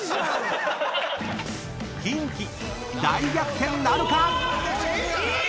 ［キンキ大逆転なるか⁉］